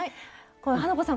花子さん